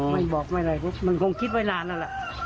ไม่บอกไม่ไรเพราะมันคงคิดไว้นานนั่นแหละ